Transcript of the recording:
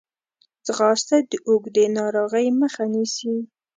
ځغاسته د اوږدې ناروغۍ مخه نیسي